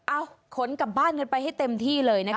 ขนกลับบ้านกันไปให้เต็มที่เลยนะคะ